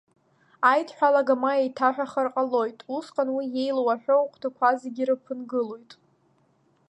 Аидҳәалага ма еиҭаҳәахар ҟалоит, усҟан уи еилоу аҳәоу ахәҭақәа зегьы ирыԥынгылоит…